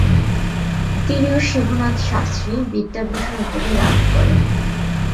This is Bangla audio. তিনি ও শিবনাথ শাস্ত্রী "বিদ্যাভূষণ" উপাধি লাভ করেন।